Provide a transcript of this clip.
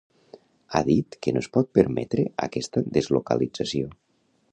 Ha dit que no es pot permetre aquesta deslocalització.